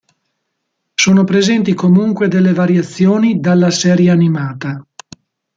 Sono presenti comunque delle variazioni dalla serie animata.